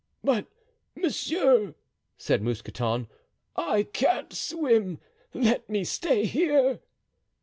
"But, monsieur," said Mousqueton, "I can't swim; let me stay here."